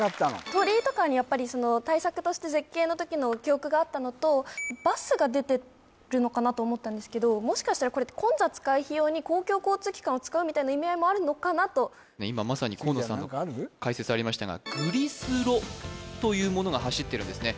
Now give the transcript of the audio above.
鳥居とかにやっぱり対策として絶景の時の記憶があったのとバスが出てるのかなと思ったんですけどもしかしたらこれってみたいな意味合いもあるのかなと今まさに河野さんの解説ありましたがグリスロというものが走ってるんですね